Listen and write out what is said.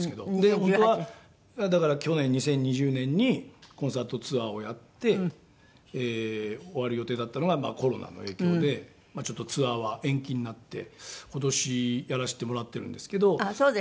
本当はだから去年２０２０年にコンサートツアーをやって終わる予定だったのがコロナの影響でちょっとツアーは延期になって今年やらせてもらってるんですけど。